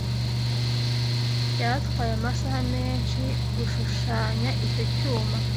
Byantwaye amasaha menshi gushushanya icyo cyumba.